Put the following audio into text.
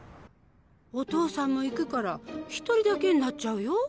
お父さんも行くから１人だけになっちゃうよ。